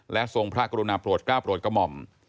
และทรงพระกรุณาโปรดก้าวโปรดกระหม่อม